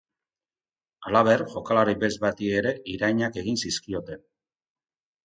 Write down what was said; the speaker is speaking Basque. Halaber, jokalari beltz bati ere irainak egin zizkioten.